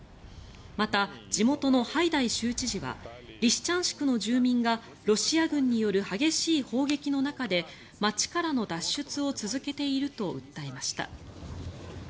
また、地元のハイダイ州知事はリシチャンシクの住民がロシア軍による激しい砲撃の中で街からの脱出を続けていると訴えました。